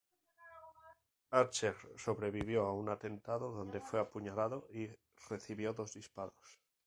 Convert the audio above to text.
Archer sobrevivió a un atentado donde fue apuñalado y recibió dos disparos.